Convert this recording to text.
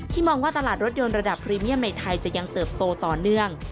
มองว่าตลาดรถยนต์ระดับพรีเมียมในไทยจะยังเติบโตต่อเนื่อง